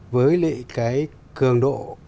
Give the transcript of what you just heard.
với cái cường độ